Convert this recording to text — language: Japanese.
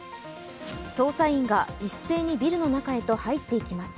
捜査員が一斉にビルの中へと入っていきます。